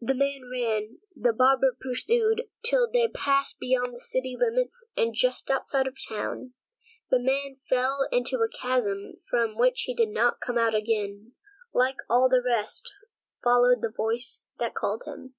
The man ran, the barber pursued, till they passed beyond the city limits, and, just outside of the town, the man fell into a chasm from which he did not come out again, so he also, like all the rest, followed the voice that called him.